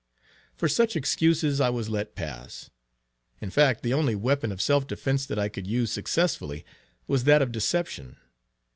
For such excuses I was let pass. In fact, the only weapon of self defence that I could use successfully, was that of deception.